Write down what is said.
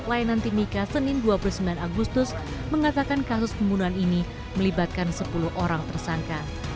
layanan timika senin dua puluh sembilan agustus mengatakan kasus pembunuhan ini melibatkan sepuluh orang tersangka